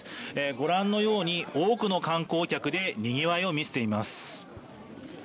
ご覧のように、多くの観光客でにぎわいを見せています。